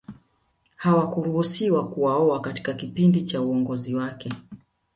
Hawakuruhusiwa kuwaoa katika kipindi cha uongozi wake